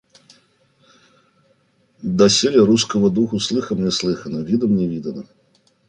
Доселе русского духу слыхом не слыхано, видом не видано.